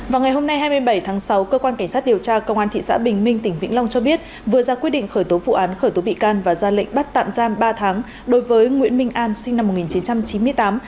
vào ngày hôm nay hai mươi bảy tháng sáu cơ quan cảnh sát điều tra công an thị xã bình minh tỉnh vĩnh long cho biết vừa ra quyết định khởi tố vụ án khởi tố bị can và ra lệnh bắt tạm giam ba tháng đối với nguyễn minh an sinh năm một nghìn chín trăm chín mươi tám